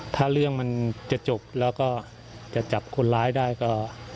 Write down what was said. ถ้าเรื่องมันจะจบแล้วก็จะจับคนร้ายได้ก็